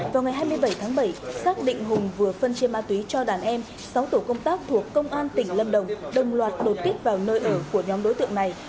vào ngày hai mươi bảy tháng bảy xác định hùng vừa phân chia ma túy cho đàn em sáu tổ công tác thuộc công an tỉnh lâm đồng đồng loạt đột kích vào nơi ở của nhóm đối tượng này